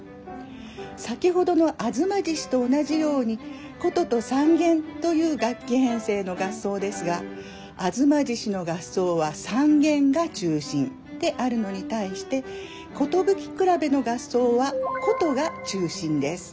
先ほどの「吾妻獅子」と同じように箏と三絃という楽器編成の合奏ですが「吾妻獅子」の合奏は三絃が中心であるのに対して「寿くらべ」の合奏は箏が中心です。